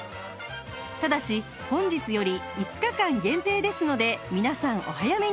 ただし本日より５日間限定ですので皆さんお早めに！